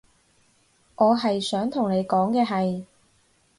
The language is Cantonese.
我係想同你講嘅係